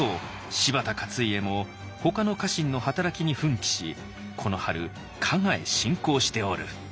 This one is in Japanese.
柴田勝家もほかの家臣の働きに奮起しこの春加賀へ侵攻しておる」。